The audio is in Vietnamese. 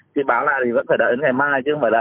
thì báo lại thì vẫn phải đợi đến ngày mai chứ không phải là